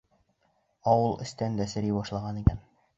Ауыл эстән дә серей башлаған икән.